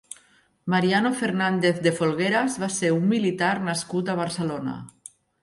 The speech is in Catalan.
Mariano Fernández de Folgueras va ser un militar nascut a Barcelona.